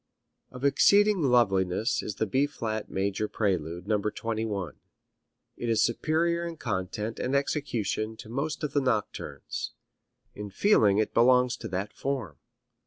Of exceeding loveliness is the B flat major prelude, No. 21. It is superior in content and execution to most of the nocturnes. In feeling it belongs to that form.